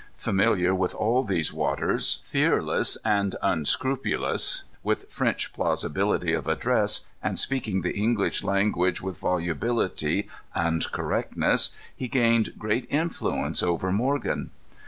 Familiar with all these waters, fearless and unscrupulous, with French plausibility of address, and speaking the English language with volubility and correctness, he gained great influence over Morgan.